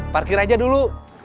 parkir aja dulu